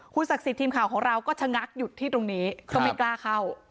ศักดิ์สิทธิ์ทีมข่าวของเราก็ชะงักหยุดที่ตรงนี้ก็ไม่กล้าเข้า